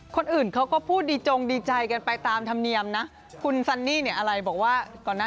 คนอื่นเขาก็พูดดีจงดีใจกันไปตามธรรมเนียมนะ